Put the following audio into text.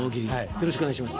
よろしくお願いします。